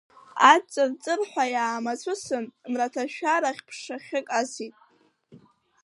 Аҵыр-ҵырҳәа иаамацәысын, мраҭашәарахь ԥшахьык асит.